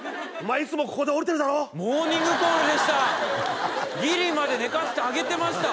いつもここで降りてるだろモーニングコールでしたギリまで寝かせてあげてました